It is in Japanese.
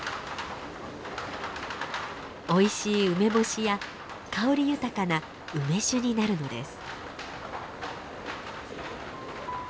おいしい梅干しや香り豊かな梅酒になるのです。